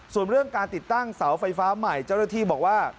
ส่วนเรื่องการติดตั้งเสาไฟฟ้าใหม่เจ้าหน้าที่บอกว่า